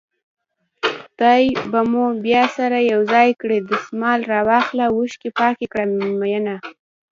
خدای به مو بيا سره يو ځای کړي دسمال راواخله اوښکې پاکې کړه مينه